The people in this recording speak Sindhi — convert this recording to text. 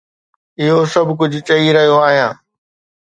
اهو سڀ ڪجهه چئي رهيو آهيان